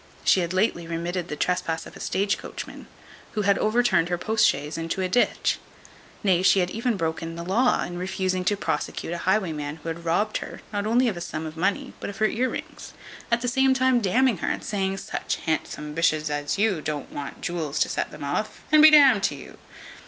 She had lately remitted the trespass of a stage coachman, who had overturned her post chaise into a ditch; nay, she had even broken the law, in refusing to prosecute a highwayman who had robbed her, not only of a sum of money, but of her ear rings; at the same time d ning her, and saying, "Such handsome b s as you don't want jewels to set them off, and be d n'd to you."